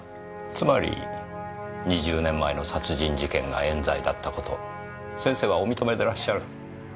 つまり２０年前の殺人事件が冤罪だった事先生はお認めでらっしゃる。